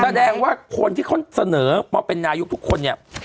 แสดงว่าคนที่เขาเสนอมาเป็นนายกทุกคนเนี่ย